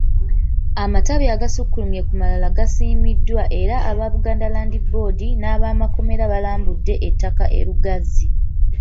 Amatabi agasukkulumye ku malala gasiimiddwa era aba Buganda Land Board n'abaamakomera baalambudde ettaka e Lugazi.